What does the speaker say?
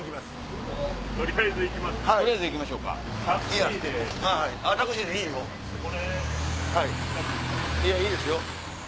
いやいいですよ。